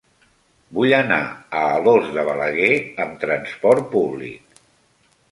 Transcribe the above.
Vull anar a Alòs de Balaguer amb trasport públic.